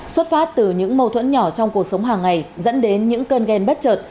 xuất phát từ những mâu thuẫn nhỏ trong cuộc sống hàng ngày dẫn đến những cơn ghen bất trợt